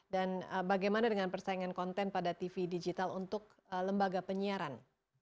dan bagaimana dengan persaingan konten pada tv digital untuk lembaga penyiaran